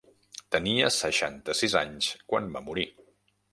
Tenia seixanta-sis anys quan va morir.